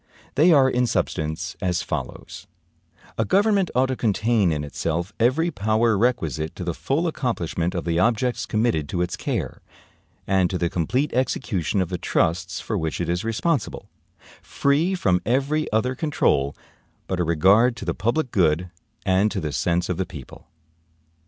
They are in substance as follows: A government ought to contain in itself every power requisite to the full accomplishment of the objects committed to its care, and to the complete execution of the trusts for which it is responsible, free from every other control but a regard to the public good and to the sense of the people.